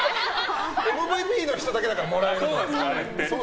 ＭＶＰの人だけだからもらえるの。